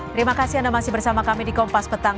terima kasih anda masih bersama kami di kompas petang